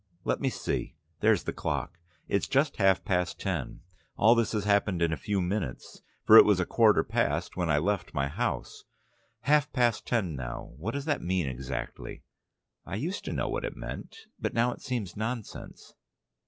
Let me see, there's the clock. It's just half past ten. All this has happened in a few minutes, for it was a quarter past when I left my house. Half past ten now: what does that mean exactly? I used to know what it meant, but now it seems nonsense.